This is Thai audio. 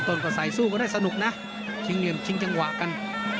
ต้นก็ใส่สู้ก็ได้สนุกนะชิงเหลี่ยมชิงจังหวะกัน